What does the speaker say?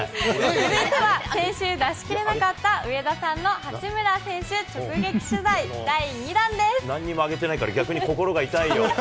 続いては先週出しきれなかった上田さんの八村選手直撃取材、なんにもあげてないから、逆に心が痛いよ。